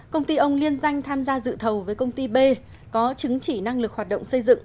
công ty ông liên danh tham gia dự thầu với công ty b có chứng chỉ năng lực hoạt động xây dựng